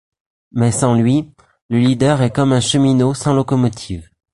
Mais sans lui, le leader est comme un cheminot sans locomotive.